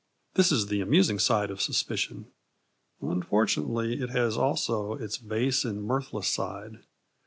This is the amusing side of suspicion. Unfortunately, it has also its base and mirthless side.